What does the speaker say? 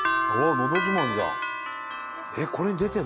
「のど自慢」じゃん。